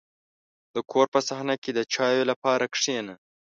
• د کور په صحنه کې د چایو لپاره کښېنه.